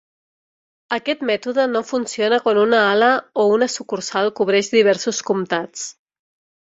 Aquest mètode no funciona quan una ala o una sucursal cobreix diversos comtats.